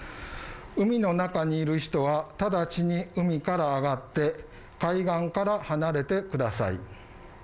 海の中にいる人は直ちに海から上がって海岸から離れてください。